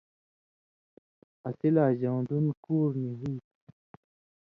اسی لا ژؤن٘دُن کُور نی ہُوئ تُھو